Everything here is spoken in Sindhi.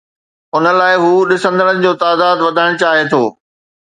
ان لاءِ هو ڏسندڙن جو تعداد وڌائڻ چاهي ٿو.